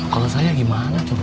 kalau saya gimana tuh